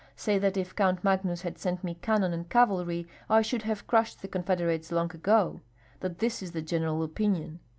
Say that if Count Magnus had sent me cannon and cavalry I should have crushed the confederates long ago, that this is the general opinion.